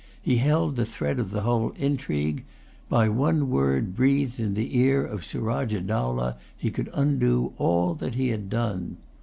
He held the thread of the whole intrigue. By one word breathed in the ear of Surajah Dowlah, he could undo all that he had done.